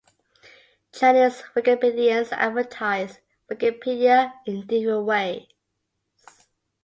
Chinese Wikipedians advertise Wikipedia in different ways.